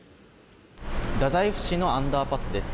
太宰府市のアンダーパスです